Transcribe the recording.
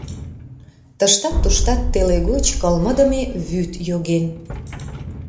Тыштат-туштат теле гоч кылмыдыме вӱд йоген.